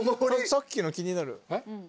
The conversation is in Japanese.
さっきの気になる。